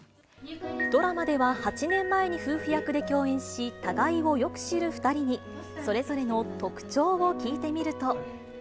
ドラマでは８年前に夫婦役で共演し、互いをよく知る２人に、それぞれの特徴を聞いてみると。